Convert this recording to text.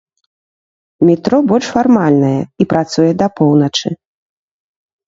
Метро больш фармальнае і працуе да поўначы.